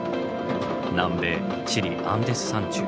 南米チリアンデス山中。